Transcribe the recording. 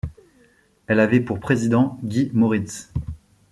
Elle avait pour président Guy Moritz.